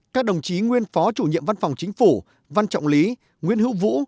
các đồng chí nguyên phó chủ nhiệm văn phòng chính phủ văn trọng lý nguyên hữu vũ